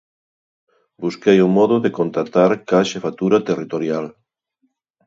Busquei o modo de contactar coa xefatura territorial.